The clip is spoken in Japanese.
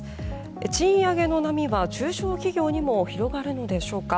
賃上げの波は中小企業にも広がるのでしょうか。